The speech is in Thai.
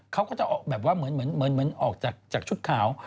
เขาก็จะเหมือนออกจากชุดขาว